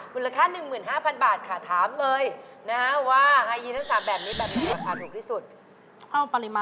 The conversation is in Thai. บริษัท๑๕๐๐๐บาทค่ะถามเลยนะครับ